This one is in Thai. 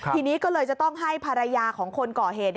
ทีนี้ก็เลยจะต้องให้ภรรยาของคนก่อเหตุ